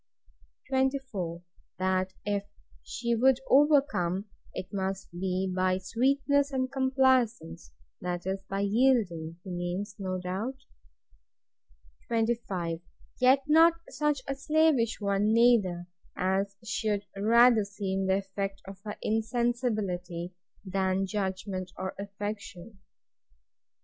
24. That if she would overcome, it must be by sweetness and complaisance; that is, by yielding, he means, no doubt. 25. Yet not such a slavish one neither, as should rather seem the effect of her insensibility, than judgment or affection.